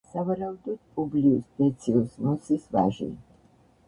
სავარაუდოდ პუბლიუს დეციუს მუსის ვაჟი.